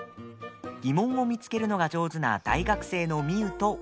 疑問を見つけるのが上手な大学生のミウと。